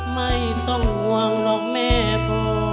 ไม่ต้องห่วงหรอกแม่พ่อ